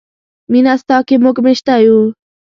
مینه ستا کې موږ میشته یو.